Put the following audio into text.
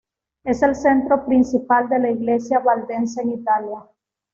Es el centro principal de la Iglesia Valdense en Italia.